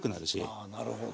ああなるほど。